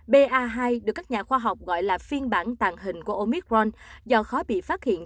ba hai được các nhà khoa học gọi là phiên bản tàn hình của omicron do khó bị phát hiện